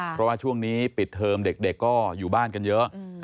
เพราะว่าช่วงนี้ปิดเทอมเด็กก็อยู่บ้านกันเยอะ